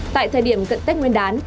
tại thời điểm cận tết nguyên đán